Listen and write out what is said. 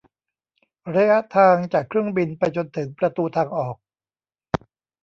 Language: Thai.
ระยะทางจากเครื่องบินไปจนถึงประตูทางออก